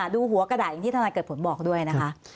ดูหัวกระดาษอย่างที่ธนายเกิดผลบอกด้วยนะคะ